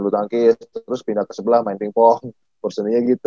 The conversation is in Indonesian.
terus pindah ke sebelah main ping pong porseninya gitu